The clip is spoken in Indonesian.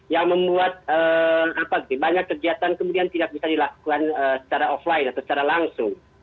yang membuat banyak kegiatan kemudian tidak bisa dilakukan secara offline atau secara langsung